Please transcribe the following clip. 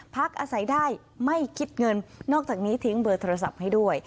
พักอาศัยได้ไม่คิดเงินนอกจากนี้ทิ้งเบอร์โทรศัพท์ให้ด้วย